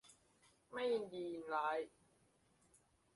ไม่ยินดียินร้าย